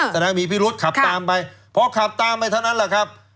แสดงมีพิรุษขับตามไปพอขับตามไปเท่านั้นแหละครับ